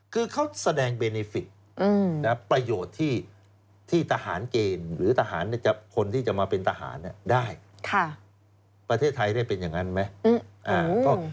คือเขาแสดงเบเนฟิกประโยชน์ที่ทหารเกณฑ์หรือทหารคนที่จะมาเป็นทหารได้ประเทศไทยได้เป็นอย่างนั้นไหม